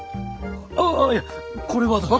ああいやこれはだな。